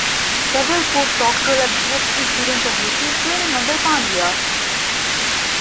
Several postdoctoral and Ph.D. students have received training under Pandya.